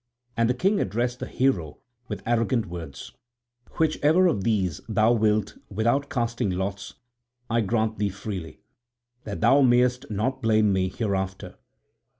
And the king addressed the hero with arrogant words: "Whichever of these thou wilt, without casting lots, I grant thee freely, that thou mayst not blame me hereafter.